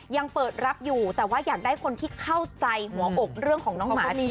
ยังเปิดรับอยู่แต่ว่าอยากได้คนที่เข้าใจหัวอกเรื่องของน้องหมา